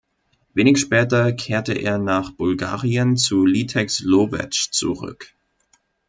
Wenig später kehrte er nach Bulgarien zu Litex Lowetsch zurück.